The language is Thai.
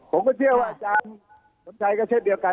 ผมก็เชื่อว่าอาจารย์สมชัยก็เช่นเดียวกัน